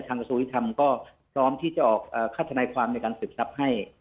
กระทรวงยุทธรรมก็พร้อมที่จะออกค่าธนายความในการสืบทรัพย์ให้